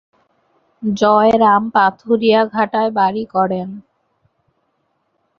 জয়রাম পাথুরিয়াঘাটায় বাড়ি করেন।